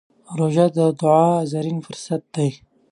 روژه د دعا زرين فرصت دی.